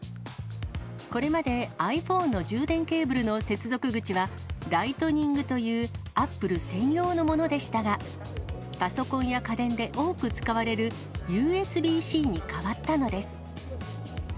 これまでｉＰｈｏｎｅの充電ケーブルの接続口はライトニングというアップル専用のものでしたが、パソコンや家電で多く使われる、ＵＳＢーＣに変わったのです。